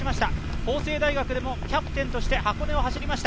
法政大学でもキャプテンとして箱根を走りました。